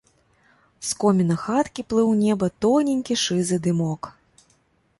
З коміна хаткі плыў у неба тоненькі шызы дымок.